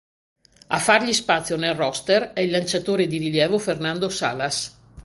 A fargli spazio nel roster è il lanciatore di rilievo Fernando Salas.